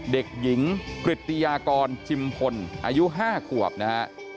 เด็กหญิงกริตติยากรจิมพลอายุ๕ขวบนะฮะ